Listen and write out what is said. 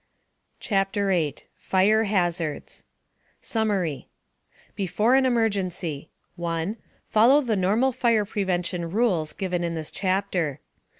CHAPTER 8 FIRE HAZARDS SUMMARY BEFORE AN EMERGENCY 1. Follow the normal fire prevention rules given in this chapter.